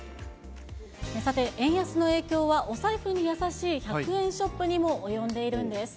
さて、円安の影響は、お財布に優しい１００円ショップにも及んでいるんです。